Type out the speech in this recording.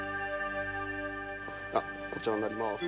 あっこちらになります。